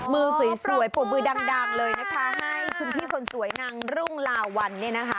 มือสวยปวดมือดังเลยนะคะให้คุณพี่คนสวยนางรุ่งลาวันเนี่ยนะคะ